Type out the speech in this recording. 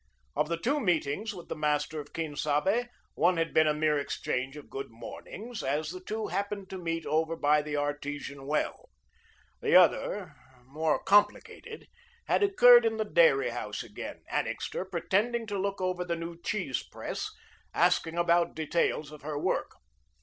Of the two meetings with the master of Quien Sabe, one had been a mere exchange of good mornings as the two happened to meet over by the artesian well; the other, more complicated, had occurred in the dairy house again, Annixter, pretending to look over the new cheese press, asking about details of her work.